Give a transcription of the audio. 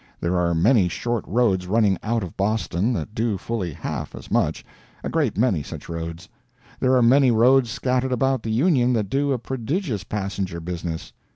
There are many short roads running out of Boston that do fully half as much; a great many such roads. There are many roads scattered about the Union that do a prodigious passenger business.